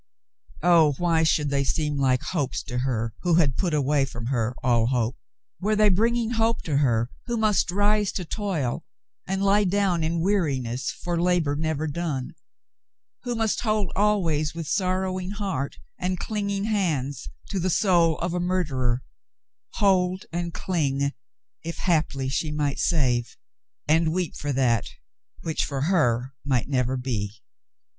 Oh, why should they seem like hopes to her who had put away from her all hope ? Were they bringing hope to her who must rise to toil and lie down in weariness for labor never done ; who must hold always with sorrowing heart and clinging hands to the soul of a murderer — hold and cling, if haply she might save — and weep for that which, for her, might never be